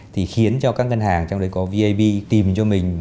thì khiến cho các ngân hàng trong đấy có vip tìm cho mình